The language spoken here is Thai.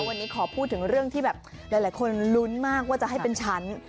วันนี้ขอพูดถึงเรื่องที่แบบหลายคนลุ้นมากว่าจะให้เป็นฉัน